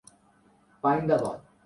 روزگار کے نئے مواقع پیدا کرتی ہے۔